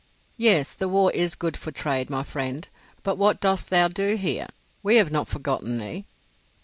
"Yes. The war is good for trade, my friend; but what dost thou do here? We have not forgotten thee."